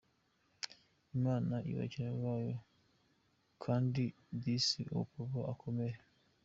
Iman ibakire mubayo kdi dis uwo mupapa akomere.